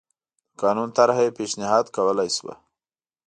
د قانون طرحه یې پېشنهاد کولای شوه